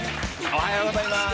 おはようございます。